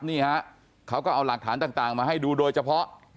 นี่ฮะเขาก็เอาหลักฐานต่างมาให้ดูโดยเฉพาะ